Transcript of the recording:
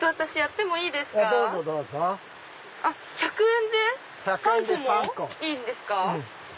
１００円で３個もいいんですか？